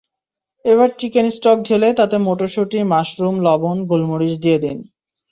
এবার chicken stock ঢেলে তাতে মটরশুঁটি, মাশরুম, লবণ, গোলমরিচ দিয়ে দিন।